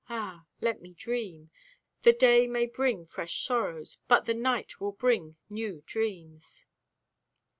Ah, let me dream! The day may bring fresh sorrows, But the night will bring new dreams.